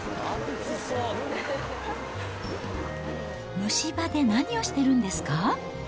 蒸し場で何をしているんですか？